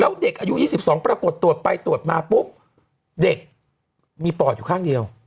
แล้วเด็กอายุ๒๒ปรากฏตรวจไปตรวจมาปุ๊บเด็กมีปอดอยู่ข้างเดียว